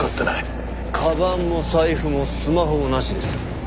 かばんも財布もスマホもなしです。